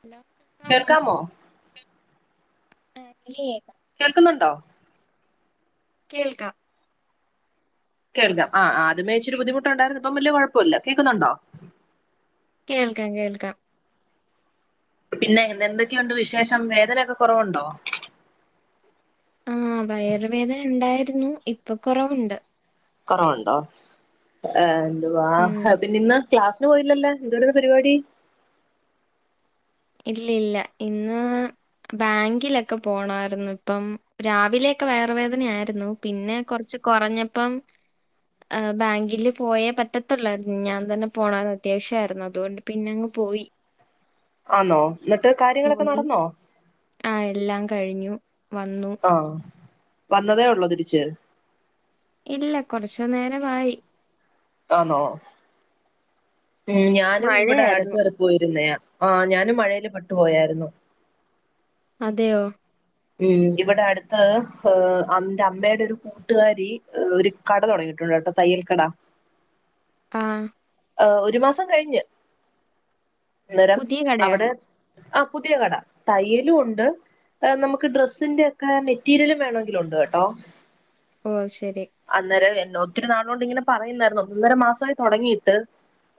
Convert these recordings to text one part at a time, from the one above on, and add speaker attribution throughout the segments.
Speaker 1: Hello കേൾക്കാമോ family [unintelligible]
Speaker 2: കേൾക്കുന്നൊണ്ടോ
Speaker 1: കേൾക്കാം
Speaker 2: കേൾക്കാം ആ ആദ്യമേ ഇച്ചിരി ബുദ്ധിമുട്ടായിരുന്ന് ഇപ്പം വല്യ കൊഴപ്പൂല കേക്കുന്നുണ്ടോ
Speaker 1: കേൾക്കാം കേൾക്കാം
Speaker 2: പിന്നെ എന്ത്ന്തെക്കെയൊണ്ട് വിശേഷം വേദനയ്ക്കെ കൊറവുണ്ടോ
Speaker 1: ആ വയറ് വേദനയുണ്ടായിരുന്നു ഇപ്പ കൊറവുണ്ട്
Speaker 2: കൊറവുണ്ടോ ആ വാഹ
Speaker 1: ഉം
Speaker 2: പിന്നിന്ന് ക്ലാസിന് പോയില്ലല്ലോ എന്തുവായിരുന്ന് പരുവാടി
Speaker 1: ഇല്ലില്ല ഇന്ന് ബാങ്കിലേക്കെ പോണായിരുന്ന് അപ്പം രാവിലേക്കെ വയറ് വേദനയായിരുന്നു പിന്നെ കൊറച്ച് കൊറഞ്ഞപ്പം ആ ബാങ്കില് പോയെ പറ്റത്തൊള്ളായിരുന്ന് ഞാൻ തന്നെ പോണാരുന്ന് അത്യാവശ്യയിരുന്നു അതുകൊണ്ട് പിന്നങ്ങ് പോയി
Speaker 2: ആന്നോ എന്നിട്ട് കാര്യങ്ങളക്കെ
Speaker 1: പോയി
Speaker 2: നടന്നോ
Speaker 1: ആ എല്ലാ കഴിഞ്ഞു വന്നു
Speaker 2: ആ വന്നതേ ഉള്ളു തിരിച്ച്
Speaker 1: ഇല്ല കൊറച്ച് നേരമായി
Speaker 2: ആന്നോ മ്മ് ഞാനും ഇവടെ
Speaker 1: മഴയായിരുന്നു
Speaker 2: അടുത്തുവരെ പോയിരുന്നേയ ആ ഞാനും മഴ യില് പെട്ട് പോയായിരുന്നു
Speaker 1: അതെയോ
Speaker 2: മ്മ് ഇവടെടത്ത് ൻ്റെമ്മടെ ഒരു കൂട്ടുകാരി ഒരു കട തൊടങ്ങിട്ടുണ്ട് കേട്ടോ തയ്യൽ കട
Speaker 1: ആ
Speaker 2: ആ ഒരു മാസം കഴിഞ്ഞ് അനേരം
Speaker 1: പുതിയ കടയോ
Speaker 2: അവിടെ ആ പുതിയ കട തയ്യലും ഉണ്ട് നമുക്ക് ഡ്രസ്സിന്റെ ഒക്കെ മെറ്റീരിയല വേണമെങ്കിലും ഉണ്ട് കേട്ടോ
Speaker 1: ഓ ശരി
Speaker 2: അന്നേരം ഒത്തിരി നാളുകൊണ്ട് ഇങ്ങനെ പറയുന്നായിന്നു ഒന്നൊര മാസമായി തെടങ്ങിയിട്ട്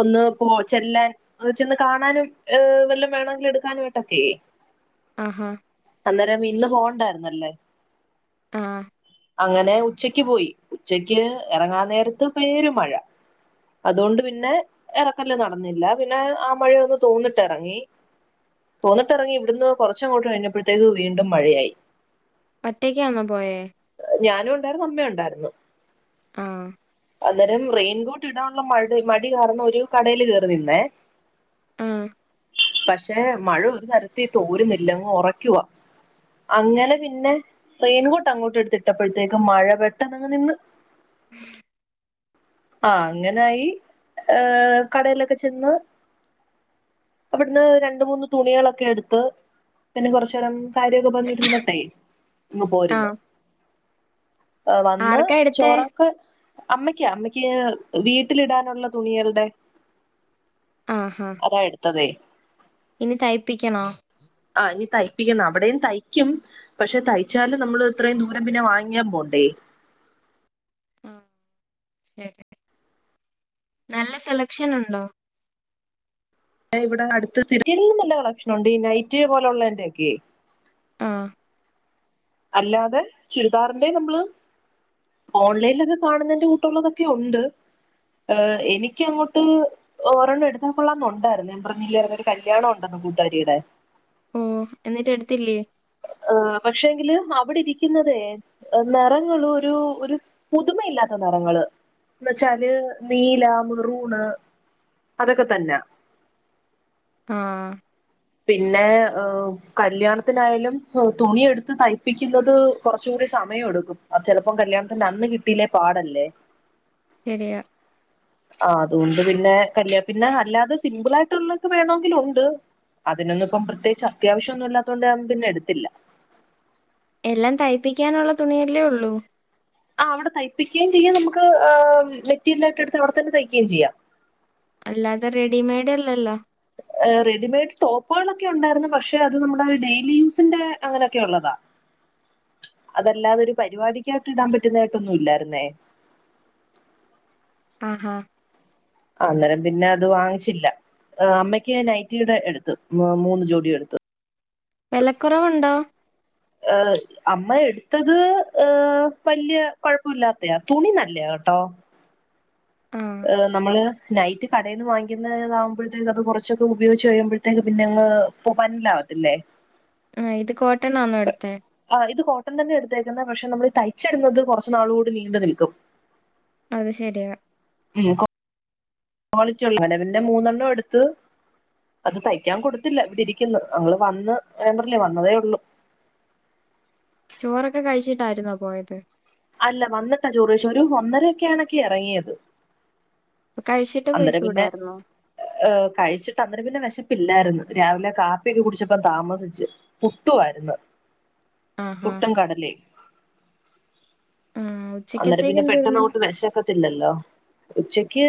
Speaker 2: ഒന്ന് പോ ചെല്ല ഒന്ന് വെച്ചന്ന് കാണാനും ഏ വല്ലം വേണമെങ്കിലും എടുക്കാനുംമായിട്ടൊക്കെ
Speaker 1: ആഹാ
Speaker 2: അന്നേരം ഇന്ന് പോകണ്ടായിരുന്നല്ലേ
Speaker 1: ആ
Speaker 2: അങ്ങനെ ഉച്ചക്ക് പോയി ഉച്ചക്ക് എറങ്ങാൻ നേരത്ത് പെരും മഴ അതുകൊണ്ട് പിന്നെ എറക്കല് നടന്നില്ല പിന്നെ ആ മഴയൊന്ന് തോന്നിട്ടിറങ്ങി തോന്നിട്ടിറങ്ങി ഇവിടുന്ന് കുറച്ചങ്ങോട്ട് കഴിഞ്ഞപ്പോഴത്തേക്ക് വീണ്ടും മഴയായി
Speaker 1: ഒറ്റക്കാന്നോ പോയേ
Speaker 2: ഏട്ടന്റെ അമ്മയുണ്ടായിരുന്നു
Speaker 1: ആ
Speaker 2: അന്നേരം റെയിൻകോട്ട് ഇടാനുള്ള മഴ മടി കാരണം ഒരു കടയില് കേറി നിന്നേ
Speaker 1: ആ
Speaker 2: പക്ഷെ മഴ ഒരു തരത്തി തോരുന്നില്ലങ്ങ് ഒറക്കുവാ അങ്ങനെ പിന്നെ റെയിൻകോട്ട് അങ്ങോട്ട് എടുത്തിട്ടപ്പോഴത്തേക്കുംമഴ പെട്ടെന്ന് അങ്ങ് നിന്ന്
Speaker 1: ഉം
Speaker 2: ആ അങ്ങനായി ഏ കടയിലൊക്കെ ചെന്ന് അവിടുന്ന് രണ്ട് മൂന്ന് തുണികളൊക്കെ എടുത്ത് പിന്നെ കുറച്ചു നേരം കാര്യയൊക്കെ പറന്നിട്ടിന്നട്ടെ ഇങ്ങ് പോരുന്നു
Speaker 1: ആഹ്
Speaker 2: വന്ന്
Speaker 1: ആർക്കാ എടുത്തേ
Speaker 2: ചോറൊക്കെ അമ്മയ്ക്ക അമ്മയ്ക്ക് വീട്ടിലിടാനുള്ള തുണികളുടെ
Speaker 1: ആ ഹ
Speaker 2: അതെ
Speaker 1: ഇനി തയ്പ്പിക്കണോ
Speaker 2: ആ ഈ തയ്പ്പിക്കണം അവിടെയും തയ്ക്കും പക്ഷെ തയ്ച്ചാല നമ്മൾ ഇത്രയും ദൂരം പിന്നെ വാങ്ങിയാ പോണ്ടേ
Speaker 1: ആ നല്ല സെലക്ഷൻ ഉണ്ടോ
Speaker 2: ഇവിടെ അടുത്ത സല്ലും നല്ല കളക്ഷന ഉണ്ട് ഈ നൈറ്റി പോലെ ഉള്ളന്റെ ഒക്കെ
Speaker 1: ആ
Speaker 2: അല്ലാതെ ചുരിദാറിന്റെ നമ്മള് ഓൺലൈനിലൊക്കെ കാണുന്നതിന്റെ കൂട്ടുള്ളതൊക്കെ ഒണ്ട് എനിക്ക് അങ്ങോട്ട് ഓരെോണ്ണം എടുത്താൽ കൊള്ളാംന്നണ്ടായിരുന്നു ഞാൻ പറഞ്ഞില്ലയോ ഒരു കല്യാണം ഒണ്ടന്ന് കൂട്ടുകാരിയുടെ
Speaker 1: ഓ എന്നിട്ട് എടുത്തില്ലേ
Speaker 2: ഏ പക്ഷെ എങ്കില് അവിടെ ഇരിക്കുന്നതേ നിറങ്ങള് ഒരു ഒരു പുതുമയില്ലാത്ത നിറങ്ങള് എന്ന വച്ചാല് നീല, മെറൂണ് അതൊക്കെ തന്നെ
Speaker 1: ആ
Speaker 2: പിന്നെ ഏ കല്യാണത്തിനായാലും തുണിയെടുത്ത് തയ്പ്പിക്കുന്നത് കുറച്ച്കൂടി സമയം എടുക്കും അത് ചെലപ്പോ കല്യാണത്തിന് അന്ന് കിട്ടീല്ലേ പാടല്ലേ
Speaker 1: ശരിയ
Speaker 2: ആ അതുകൊണ്ട് പിന്നെ കല്യാണ പിന്നെ അല്ലാതെ സിംമ്പിൾ ആയിട്ടുള്ളൊക്കെ വേണോങ്കിൽ ഒണ്ട് അതിനൊന്നും ഇപ്പം പ്രത്യേകിച്ച് അത്യാവശ്യം ഒന്നും ഇല്ലാത്ത കൊണ്ട് ഞൻ പിന്നെ എടുത്തില്ല
Speaker 1: എല്ലാം തയ്പ്പിക്കാനുള്ള തുണിയല്ലേ ഉള്ളൂ
Speaker 2: ആ അവിടെ തയ്പ്പിക്കുകയും ചെയ്യാം നമുക്ക് മെറ്റീരിയല് ആയിട്ട് എടുത്ത് അവിടെ തന്നെ തയ്ക്കയും ചെയ്യാം
Speaker 1: അല്ലാതെ റെഡിമെയഡ് അല്ലല്ലോ
Speaker 2: ഏ റെഡിമെയഡ് ടോപ്പുകളൊക്കെ ഒണ്ടായിരുന്നു പക്ഷെ അത് നമ്മുടെ ഡെയിലി യൂസിന്റെ അങ്ങനെയൊക്കെ ഒള്ളതാ അതല്ലാതെരു പരിപാടിക്കായിട്ട് ഇടാൻ പറ്റുന്നതായിട്ടൊന്നും ഇല്ലായിരുന്നേ
Speaker 1: ആ ആ
Speaker 2: ആ അന്നേരം പിന്നെ അത് വാങ്ങിച്ചില്ല അമ്മയ്ക്ക് നൈറ്റിടെ എടുത്തു മൂന്ന് ജോഡി എടുത്തു
Speaker 1: വിലക്കുറവുണ്ടോ
Speaker 2: ഏ അമ്മ എടുത്തത് വലിയ കുഴപ്പമില്ലാത്തെയാ തുണി നല്ലയാ കേട്ടോ
Speaker 1: ആഹ്
Speaker 2: യെ നമ്മള് നൈറ്റ്‌ കടെന്ന് വാങ്ങിക്ക്ന്നാതാവ്മ്പോഴ്ത്തെക്ക് അത് കൊറച്ചേക്ക് ഉപയോഗിച്ച് കഴിയ്മ്പോഴ്ത്തേക്ക് പിന്നെ അങ്ങ് പോ പറ്റ്ലാവത്തില്ലോ
Speaker 1: ആ ഇത് കൊ ട്ടെണ്ണാന്നോ എടുത്തേ
Speaker 2: എട്ത്തേക്കന്നേ പശെ നമ്മള് തയ്യിച്ചീട്ന്നത് കൊറച്ച് നാളുടെ നിണ്ട് നിൽക്കും
Speaker 1: അത് ശെരിയാ
Speaker 2: കോളിറ്റിയെള്ളാ മൂന്നെണ്ണം എട്ത്ത് അത് തയ്യക്കാൻ കൊട്ത്തില്ലാ ഇവടെ ഇരിക്ക്ന്ന് അവള് വന്ന് ഞാൻ പറഞ്ഞില്ലോ വന്നോതെ ഒള്ളു
Speaker 1: ചോറക്കെ കഴിച്ചിട്ടാര്ന്നോ പോയത്
Speaker 2: അല്ലാ വന്നിട്ടാ ചോറ് കഴിച്ചാ ഒര് ഒന്നാരെക്കേക്ക്യാ എറെങ്ങിത്
Speaker 1: അപ്പൊ കഴിച്ചിട്ട്
Speaker 2: അന്നേരം പിന്നെ
Speaker 1: പോയിക്കൂടായിരുന്നോ
Speaker 2: ആ കഴിച്ചിട്ട് അന്നേരം പിന്നെ വെശ ഇല്ലാര്ന്ന് പിന്നെ രാവിലെ കാപ്പിക്ക് കുടിച്ചാപ്പോ താമസിച്ച് പുട്ടും ആര്ന്ന്
Speaker 1: ആഹാ
Speaker 2: പുട്ടും കടലെയും
Speaker 1: ആഹ്
Speaker 2: അന്നാരം
Speaker 1: ഉച്ചക്കത്തേക്ക്
Speaker 2: പിന്നെ പെട്ടന്ന്
Speaker 1: എന്തായിരുന്നു
Speaker 2: നമ്മക്ക് വെശക്കാത്തില്ലല്ലോ ഉച്ചക്ക്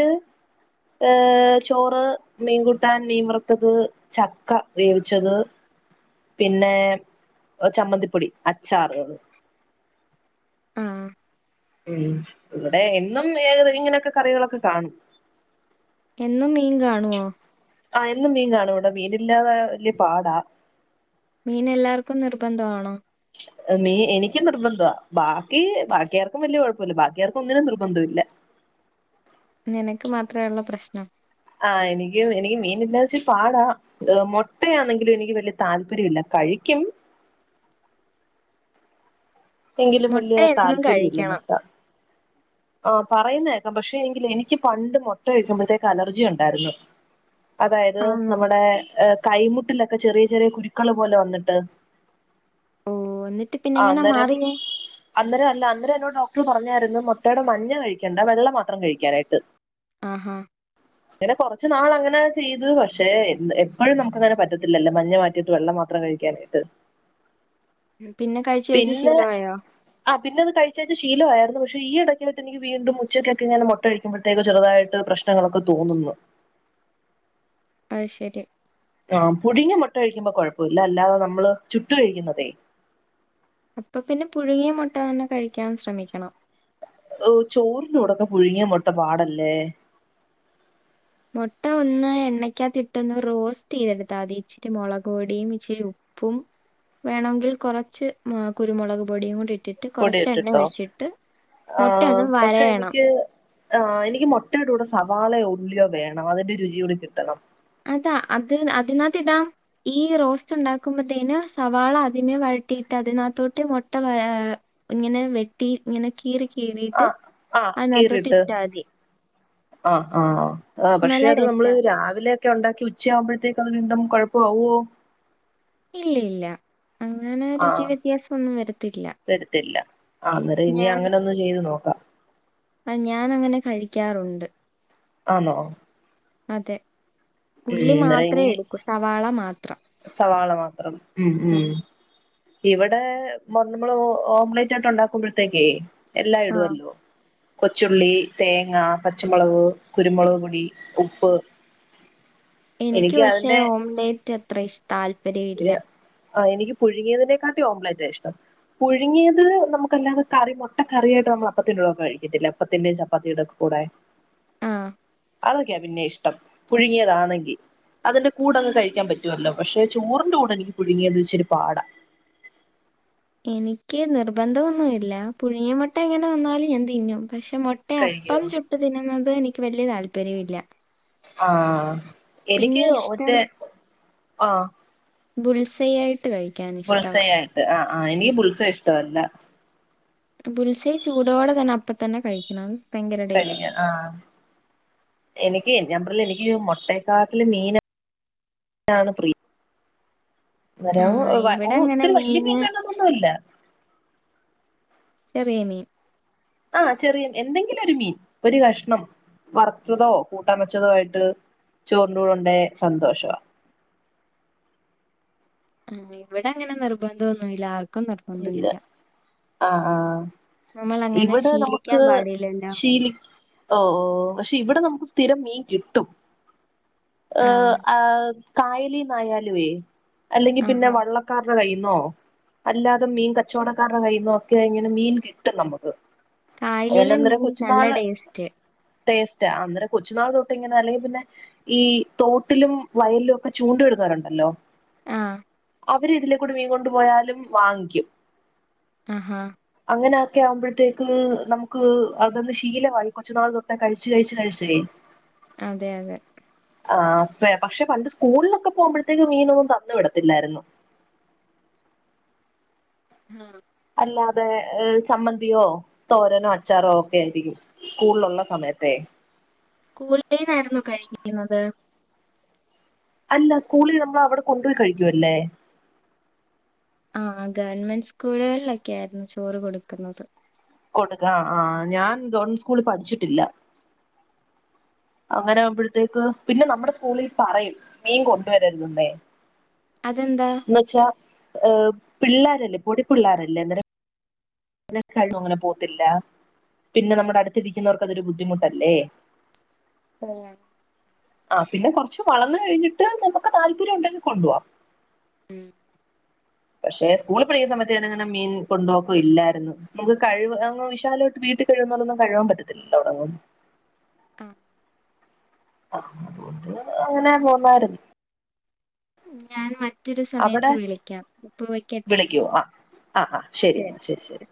Speaker 2: യെ ചോറ്, മീൻകുട്ടാൻ, മീൻ വറ്ത്താത്, ചക്കാവേവിച്ചിത് പിന്നെ ചമ്മന്തി പൊടി, അച്ചാറ്
Speaker 1: ആ
Speaker 2: ഉം ഇവടെ എന്നും ഏ ഇങ്ങനെയെക്കെ കറികളെക്കേ കാണും
Speaker 1: എന്നും മീൻ കാണുവോ
Speaker 2: ആ എന്നും മീൻ കാണും ഇവടെ മുനില്ലാതോ വല്ല്യാ പാടാ
Speaker 1: മീൻ എല്ലാർക്കും നിർബെന്ധമാണോ
Speaker 2: ആ മീൻ എനിക്ക് നിർബന്ധാ ബാക്കി ബാക്കി ആർക്കും വല്ല്യാ കൊഴപ്പാല്ലാ ബാക്കി ആർക്കും ഒന്നിനും നിർബന്ധമില്ലാ
Speaker 1: എനക്ക് മാത്രമേള്ളാ പ്രശ്നം
Speaker 2: ആ എനിക്കും എനിക്കും മീനില്ലാതെ ച്ചിരി പാടാ അത് മെട്ടാ അന്നോങ്കിലും എനിക്ക് വല്ല്യാ താൽപര്യമില്ലാ കഴിക്കും എങ്കിലും
Speaker 1: മുട്ട
Speaker 2: വല്ല്യാ
Speaker 1: എന്നും
Speaker 2: താൽപര്യമില്ലാ
Speaker 1: കഴിക്കണം.
Speaker 2: മെട്ടാ ആ പറയ്ന്നാ പശെ അങ്കിലെ എനിക്ക് പണ്ട് മൊട്ട കഴിക്ക്മ്പോത്തേക്കേ അലർജി ഒണ്ടാര്ന്ന് അതാതയത്
Speaker 1: ആണോ?
Speaker 2: നമ്മടെ യെ കയ്യ്മുട്ടില്ലോ ചെറിയെ ചെറിയെ കുരുക്കള് പോലെ വന്നിട്ട്
Speaker 1: ഓ അന്നിട്ട്‌
Speaker 2: ആഹ്
Speaker 1: പിന്നെയെങ്ങാനാ
Speaker 2: അന്നേരം
Speaker 1: മാറിയ
Speaker 2: അന്നേരം അല്ലാ അന്നേരം എന്നോ ഡോക്ടറ് പറഞ്ഞാര്ന്ന് മൊട്ടേടെ മഞ്ഞാ കഴിക്കണ്ടാ വെള്ള മാത്രം കഴിക്കാന്നായിട്ട്
Speaker 1: ആഹാ
Speaker 2: ഇങ്ങനെ കൊറാച്ച് നാള് അങ്ങനെ ചെയ്ത് പശെ എന്ത എപ്പാഴും നമ്മക്ക് അങ്ങനെ പറ്റാത്തില്ലാല്ലോ മഞ്ഞാ മാറ്റിട്ട് വെള്ളാ മാത്രം കഴിക്കാനായാട്ട്
Speaker 1: ഉം
Speaker 2: പിന്നെ ആ പിന്നെ അത് കഴിച്ച് കഴിച്ച് ശീലായാരുന്ന് പശെ ഈ എടയ്ക്ക് വെച്ച് എനിക്ക്‌ വീണ്ടും ഉച്ചക്ക് ങ്ങനെ മൊട്ടാ കഴിക്ക് മ്പോഴ്ത്തെക്ക് ചെറ്തായിട്ട് പ്രശ്നങ്ങളെക്കേ തെന്ന്ന്ന്
Speaker 1: അയ്ശെരി
Speaker 2: ആ പുഴുങ്ങിയാ മൊട്ടാ കഴിക്ക്മ്പോ കൊഴപ്പയില്ലാ അല്ലാതെ നമ്മള് ചൂട്ട് കഴിക്ക്ന്നാതെ
Speaker 1: അപ്പം പിന്നെ പുഴുങ്ങിയാ മൊട്ടാ തന്നെ കഴിക്കാൻ ശ്രമിക്കാണം
Speaker 2: ഓ ചോറിൻ്റെ കൂടാക്കേ പുഴുങ്ങിയാ മൊട്ടാ പാടല്ലേ
Speaker 1: മുട്ട ഒന്ന് എണ്ണയ്ക്കകത്തിയിട്ടന്ന് റോസ്റ്റ് ചെയ്തെടുത്താൽ മതി ഇച്ചിരി മുളക് പൊടിയും ഇച്ചിരി ഉപ്പും വേണമെങ്കിൽ കെറച്ച് കുരുമുളക് പൊടിയും കൂടി ഇട്ട ഇട്ടിട്ട്
Speaker 2: പൊടി
Speaker 1: കുറച്ച എണ്ണ
Speaker 2: ഇട്ടിട്ടോ
Speaker 1: ഒഴിച്ചിട്ട്
Speaker 2: ആ
Speaker 1: മുട്ട ഒന്ന്
Speaker 2: പക്ഷെ
Speaker 1: വരയണം
Speaker 2: എനിക്ക് ആ എനിക്ക് മുട്ടയുടെ കൂടെ സവാളയോ ഉള്ളിയോ വേണം അതിന്റെ രുചിയും കൂടി കിട്ടണം
Speaker 1: അതാ അത് അതിനകത്ത് ഇടാം ഈ റോസ് ഉണ്ടാക്കുമ്പോത്തേന് സവാള അതിമേ വഴട്ടിയിട്ട് അതിനകത്തോട്ട് മുട്ട ഇങ്ങനെ വെട്ടി ഇങ്ങനെ കീറി
Speaker 2: ആ
Speaker 1: കീറിയിട്ട് അതിനകത്തോട്ട്
Speaker 2: കീറിയിട്ട്
Speaker 1: ഇട്ടാതി
Speaker 2: ആ ആ ആ ആ പക്ഷെ അത് നമ്മള്
Speaker 1: ടേസ്റ്റാ
Speaker 2: രാവിലെ ഒക്കെ ഉണ്ടാക്കി ഉച്ചയാവുമ്പോഴത്തേക്ക അത് വീണ്ടും കുഴപ്പ ആവോ
Speaker 1: ഇല്ല ഇല്ല അങ്ങനെ
Speaker 2: ആ
Speaker 1: രുചി വ്യത്യാസം ഒന്നും വരത്തില്ല
Speaker 2: വരത്തില്ല അന്നേരം ഇനി അങ്ങനെ ഒന്ന് ചെയ്ത് നോക്കാം
Speaker 1: അ ഞാൻ അങ്ങനെ കഴിക്കാറുണ്ട്
Speaker 2: ആന്നോ
Speaker 1: അതെ പുള്ളി
Speaker 2: ഉം
Speaker 1: മാത്രേ
Speaker 2: റെങ്ങി
Speaker 1: എടുക്കൂ സവാള മാത്ര
Speaker 2: സവാള മാത്രം ഉം ഉം
Speaker 1: ഉം.
Speaker 2: ഇവിടെ നമ്മൾ ഓംലെറ്റ് ആട്ട് ഉണ്ടാക്കുമ്പോഴത്തേക്കേ എല്ലാം
Speaker 1: ആ
Speaker 2: ഇടുവല്ലോ കൊച്ചുള്ളി തേങ്ങ പച്ചമുളക് കുരുമുളക് പൊടി ഉപ്പ്
Speaker 1: എനിക്ക് പക്ഷെ ഓംലെറ്റ് അത്ര ഇഷ്ടം താല്പര്യമില്ല
Speaker 2: ആ എനിക്ക് പുഴുങ്ങിയതിനെക്കാട്ടി ഓംലെറ്റ ഇഷ്ടം പുഴുങ്ങിയത് നമുക്കല്ലാതെ കറി മൊട്ട കറിയായിട്ട് നമ്മൾ അപ്പത്തിന്റെയും കഴിക്കിട്ടില്ലേ അപ്പത്തിന്റെയും ചപ്പാത്തിടൊക്കെ കൂടെ
Speaker 1: ആ
Speaker 2: അതൊക്കെയാ പിന്നെ ഇഷ്ട ട്ടം. പുഴുങ്ങിയതാന്നെങ്കി അതിന്റെ കൂടങ്ങ് കഴിക്കാൻ പറ്റുവല്ലോ പക്ഷെ ചോറിന്റെ കൂടെ എനിക്ക് പുഴുങ്ങിയത് ഇച്ചിരി പാടാ
Speaker 1: എനിക്ക് നിർബന്ധംന്നുമില്ല പുഴുങ്ങിയ മുട്ട എങ്ങനെ വന്നാലും ഞാൻ തിന്നും പക്ഷെ മൊട്ട
Speaker 2: കഴിക്കുക
Speaker 1: അപ്പം ചുട്ട് തിന്നുന്നത് എനി വല്യ താല്പര്യ ഇല്ല
Speaker 2: ആ എനിക്ക്
Speaker 1: ഇഷ്ടം
Speaker 2: ഒറ്റേ ആ
Speaker 1: ബുൾസയ് ആയി
Speaker 2: ബുൾസൈ ആയിട്ട് അ ആ എനിക്ക് ബുൾസൈ ഇഷ്ടം [unintelligible]
Speaker 1: ബുൽസൈ ചൂടോടെ തന്നെ അപ്പ തന്നെ കഴിക്കണം ഭയങ്കര ടേസ്റ്റ്
Speaker 2: കഴിക്ക ആ എനിക്ക് ഞമ്പറ എനിക്ക് മൊട്ടെക്കാട്ടില് മീനാണ് പ്രിയ വര
Speaker 1: ആ
Speaker 2: ഓ
Speaker 1: ഇവിടെ അങ്ങനെ
Speaker 2: ഒത്തിരി വല്യ മീൻ
Speaker 1: മീന്
Speaker 2: വേ ണന്നൊന്നല്ല
Speaker 1: ചെറിയ മീൻ
Speaker 2: ആഹ ചെറിയും എന്തെങ്കിലും ഒരു മീൻ ഒരു കഷ്ണം വറുത്തതോ കൂട്ടാൻ വെച്ചതോ ആയിട്ട് ചോറിന്റെ കൂടെ സന്തോഷമാ
Speaker 1: ആ ഇവിടെ അങ്ങനെ നിർബന്ധം ഒന്നുമല്ല
Speaker 2: ഇല്ല ആഹ ആഹ
Speaker 1: നമ്മൾ അങ്ങനെ
Speaker 2: ഇവിടെ നമുക്ക്
Speaker 1: ശീലിക്കാൻ പാടില്ലല്ലോ
Speaker 2: ശീലി ഓ ഓ പക്ഷെ ഇവിടെ നമുക്ക് സ്ഥിരം മീൻ കിട്ടും ആഹ ആ കായലിനു ആയാലെയുമെ അല്ലെങ്കിൽ പിന്നെ
Speaker 1: ആഹാ
Speaker 2: വള്ളക്കാരുടെ കയ്യി- നോ അല്ലാതെ മീൻ കച്ചവടക്കാരുടെ കയ്ന്ന ഒക്കെ ഇങ്ങനെ മീൻ കിട്ടും നമ്മുക്ക്
Speaker 1: കായലയിലെ മീൻ നല്ല ടേസ്റ്റ്
Speaker 2: ടേസ്റ്റ് അന്നരം കൊച്ചുനാൾ തൊട്ട് ഇങ്ങനെ അല്ലെങ്കിൽ പിന്നെ ഈ തോട്ടിലും വയലിലും ഒക്കെ ചൂണ്ട ഇടുന്നൊരുയുണ്ടാലോ
Speaker 1: ആ
Speaker 2: അവര് ഇതിലേക്കൂടി മീൻ കൊണ്ടു പോയാലും വാങ്ങിക്കും
Speaker 1: ആഹാ
Speaker 2: അങ്ങനെയൊക്കെ ആകുമ്പോഴത്തേക്ക് നമുക്ക് അതൊന്ന് ശീലമായി കൊച്ചു നാൾ തൊട്ടം കഴിച്ചു കഴിച്ചു കഴിചെ
Speaker 1: അതെ അതെ
Speaker 2: ആഹ പക്ഷെ പണ്ട് സ്കൂളിലൊക്കെ പോകുമ്പോഴത്തേക്കും മീനൊന്നും തന്നു വിടത്തില്ലായിരുന്നു
Speaker 1: ആം
Speaker 2: അല്ലാതെ ചമ്മന്തിയോ തോരനോ അചാറോ ഒക്കെ ആയിരിക്കും സ്കൂളിലുള്ള സമയത്തെ
Speaker 1: സ്കൂളിൽന്നായിരുന്നു കഴിക്കുന്നത്
Speaker 2: അല്ല സ്കൂളിൽ നമ്മൾ അവിടെ കൊണ്ടുപോയി കഴിക്കുവല്ലേ
Speaker 1: ആഹ ഗവൺമെന്റ് സ്കൂളുകളിലൊക്കെ ആയിരുന്നു ചോറ് കൊടുക്കുന്നത്
Speaker 2: കൊടുക്ക ആ് ഞാൻ ഗവൺമെന്റ് സ്കൂളിൽ പഠിച്ചിട്ടില്ല അങ്ങനെ ആവുമ്പഴത്തേക്ക് പിന്നെ നമ്മുടെ സ്കൂളിൽ പറയും മീൻ കൊണ്ടുവരരുത്
Speaker 1: അതെന്താ?
Speaker 2: എന്നച്ച ആഹ- പിള്ളോരല്ലേ പൊടി പിള്ളോരല്ലേ അ അങ്ങനെ കഴിവും അങ്ങനെ പോത്തില്ല പിന്നെ നമ്മുടെ അടുത്തിരിക്കുന്നവർക്ക് അതൊരു ബുദ്ധിമുട്ടല്ലേ
Speaker 1: പിന്നെ
Speaker 2: ആ പിന്നെ കുറച്ച് വളന്നു കഴിഞ്ഞിട്ട് നമുക്ക് താല്പര്യം ഉണ്ടെങ്കിൽ കൊണ്ടു പോോവാം
Speaker 1: ഉം
Speaker 2: പക്ഷെ സ്കൂളിൽ പഠിക്കുന്ന സമയത്ത് ഞാാനങ്ങനെ മീൻ കൊണ്ടുപോക്ക ഇല്ലായിരുന്നു നമുക്ക് കഴിവ അങ് വിശാലോട്ട് വീട്ട കഴിവുന്ന പോലൊന്നും കഴവാൻ പറ്റത്തില്ലല്ലോടങ്ങും
Speaker 1: ആ
Speaker 2: അങ്ങനെ പോന്നരുന്നു
Speaker 1: ഉ ഞാൻ മ മറ്റൊരു സമയത്ത് വിളിക്കാം ഇപ്പ വയ്ക്കട്ടെ
Speaker 2: ആ് ആ ശരിയെന്നാ ശരി ശരി